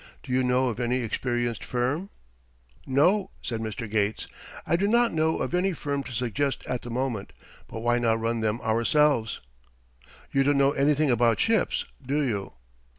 Do you know of any experienced firm?" "No," said Mr. Gates, "I do not know of any firm to suggest at the moment, but why not run them ourselves?" "You don't know anything about ships, do you?"